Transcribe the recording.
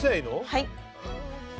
はい。